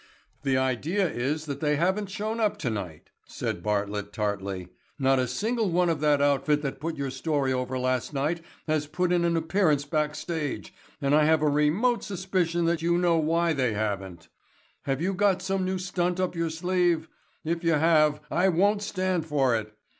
"The idea is that they haven't shown up tonight," said Bartlett tartly. "Not a single one of that outfit that put your story over last night has put in an appearance back stage, and I have a remote suspicion that you know why they haven't. Have you got some new stunt up your sleeve? If you have I won't stand for it.